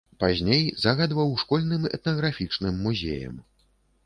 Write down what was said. Пазней загадваў школьным этнаграфічным музеем.